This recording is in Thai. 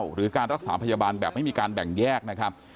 หรือการรักษาพยาบาลแบบไม่มีการแบ่งแยกนะครับ